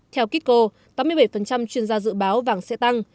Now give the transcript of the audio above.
theo kitco tám mươi bảy chuyên gia dự báo vàng sẽ tăng